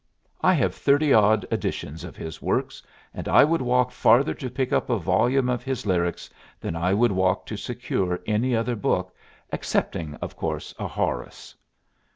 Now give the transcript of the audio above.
I have thirty odd editions of his works, and I would walk farther to pick up a volume of his lyrics than I would walk to secure any other book, excepting of course a Horace.